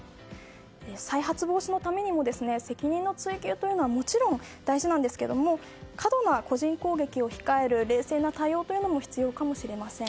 再発防止のためにも責任の追及というのはもちろん大事なんですが過度な個人攻撃を控える冷静な対応というのも必要かもしれません。